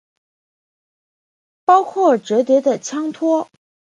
包括折叠的枪托。